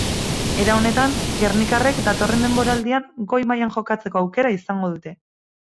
Era honetan, gernikarrek datorren denboraldian goi mailan jokatzeko aukera izango dute.